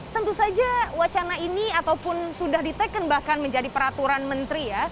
tentu saja wacana ini ataupun sudah diteken bahkan menjadi peraturan menteri ya